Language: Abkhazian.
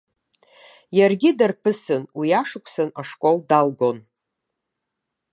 Иаргьы дарԥысын, уи ашықәсан ашкол далгон.